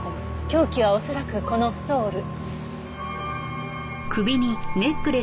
凶器は恐らくこのストール。